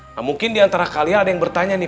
nah mungkin diantara kalian ada yang bertanya nih